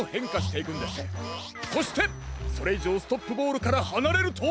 そしてそれいじょうストップボールからはなれると！